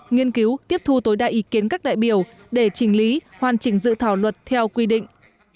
nghiên cứu tiếp thu tối đa ý kiến các đại biểu để chỉnh lý hoàn chỉnh dự thảo luật theo quy định